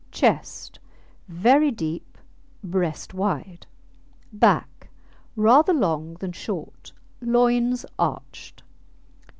CHEST Very deep, breast wide. BACK Rather long than short. Loins arched.